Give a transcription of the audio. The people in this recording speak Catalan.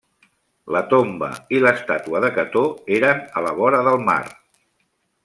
La tomba i l'estàtua de Cató eren a la vora del mar.